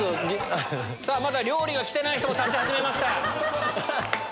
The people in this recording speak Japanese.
まだ料理がきてない人も立ち始めました。